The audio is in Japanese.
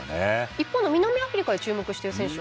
一方で、南アフリカで注目している選手は？